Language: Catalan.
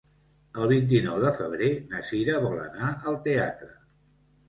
El vint-i-nou de febrer na Cira vol anar al teatre.